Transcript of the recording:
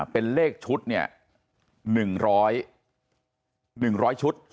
เป็นเลขชุด๑๐๐ชุด